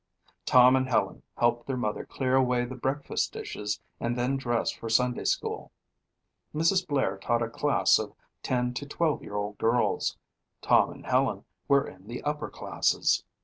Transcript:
Tom and Helen helped their mother clear away the breakfast dishes and then dressed for Sunday school. Mrs. Blair taught a class of ten to twelve year old girls. Tom and Helen were in the upper classes.